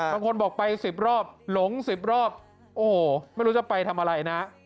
บางคนบอกไป๑๐รอบหลง๑๐รอบโอ้โหไม่รู้จะไปทำอะไรนะ